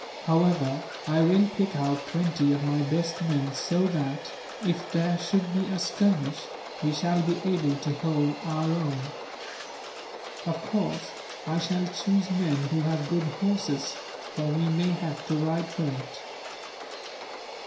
However, I will pick out twenty of my best men so that, if there should be a skirmish, we shall be able to hold our own. Of course, I shall choose men who have good horses, for we may have to ride for it."